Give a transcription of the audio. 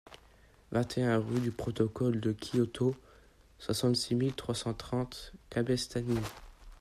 vingt et un rue du Protocole de Kyoto, soixante-six mille trois cent trente Cabestany